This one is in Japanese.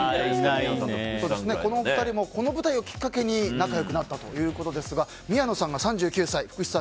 このお二人もこの舞台をきっかけに仲良くなったということですが宮野さんが３９歳福士さん